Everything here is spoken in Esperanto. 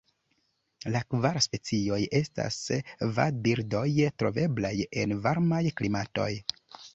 La kvar specioj estas vadbirdoj troveblaj en varmaj klimatoj.